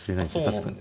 確かに。